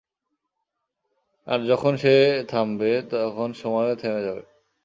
আর যখন সে থামবে তখন সময়ও থেমে যাবে।